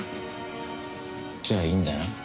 じゃあいいんだな？